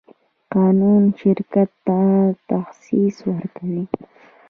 قانون شرکت ته شخصیت ورکوي.